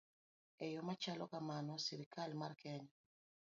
E yo machalo kamano, sirkal mar Kenya